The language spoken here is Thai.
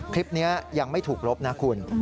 คลิปนี้ยังไม่ถูกลบนะคุณ